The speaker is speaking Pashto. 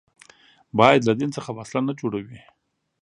باید له دین څخه وسله نه جوړوي